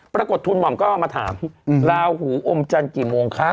ปรากฏทุนหมอมก็มาถามราวิกอมจันทร์กี่โมงคะ